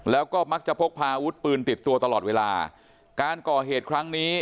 แล้วก็มักจะพกพาอาวุธปืนติดตัวตลอดเวลาการก่อเหตุครั้งนี้